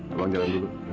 abang jalan dulu